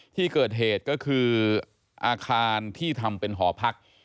ที่เกิดเหตุก็คืออาคารที่ทำเป็นหอพัก